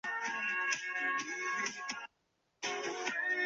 树林河人口变化图示